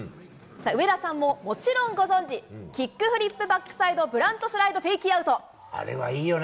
上田さんも、もちろんご存じ、キックフリップバックサイドブラントスライドフェイキーアウト。